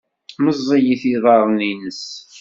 Meẓẓiyit yiḍarren-nnes.